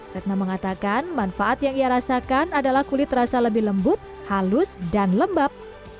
retno mengatakan manfaat yang ia rasakan adalah kulit terasa lebih lembut halus dan lembab